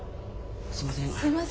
すいません。